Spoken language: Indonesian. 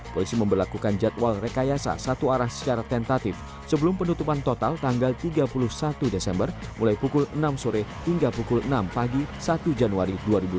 polisi memperlakukan jadwal rekayasa satu arah secara tentatif sebelum penutupan total tanggal tiga puluh satu desember mulai pukul enam sore hingga pukul enam pagi satu januari dua ribu dua puluh